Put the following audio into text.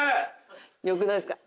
良くないですか？